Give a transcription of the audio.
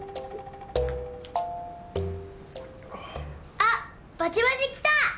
あっバチバチきた！